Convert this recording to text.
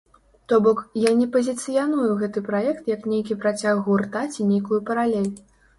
То бок, я не пазіцыяную гэты праект, як нейкі працяг гурта ці нейкую паралель.